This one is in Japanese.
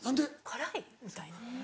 辛い？みたいな。